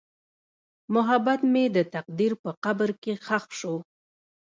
محبت مې د تقدیر په قبر کې ښخ شو.